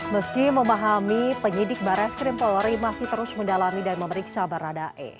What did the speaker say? meski memahami penyidik barai skrim polri masih terus mendalami dan memeriksa baradae